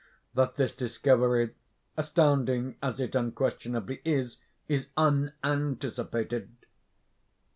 that this discovery, astounding as it unquestionably is, is unanticipated.